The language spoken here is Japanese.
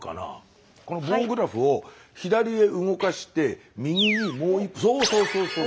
この棒グラフを左へ動かして右にそうそうそうそうそう！